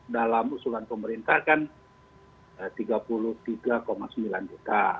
dalam usulan pemerintah kan rp tiga puluh tiga sembilan juta